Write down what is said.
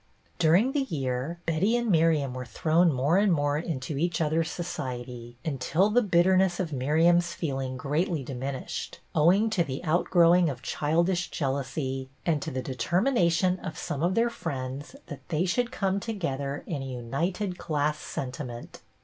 During the year, Betty and Miriam were thrown more and more into each other's society, until the bitterness of Miriam's feel ing greatly diminished, owing to the out growing of childish jealousy and to the determination of some of their friends that they should come together in a united class sentiment.